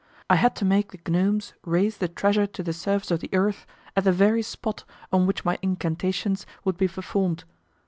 I had to make the gnomes raise the treasure to the surface of the earth at the very spot on which my incantations would be performed.